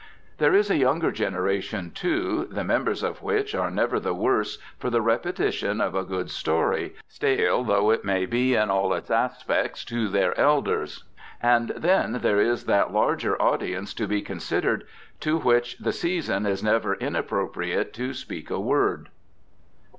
There is a younger generation, too, the members of which are never the worse for the repetition of a good story, stale though it may be in all its aspects to their elders ; and then there is that larger audience to be considered to which the season is never inappropriate to speak a word.